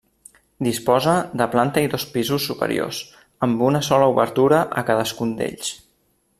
Disposa de planta i dos pisos superiors, amb una sola obertura a cadascun un d'ells.